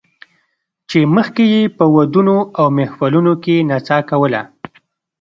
چې مخکې یې په ودونو او محفلونو کې نڅا کوله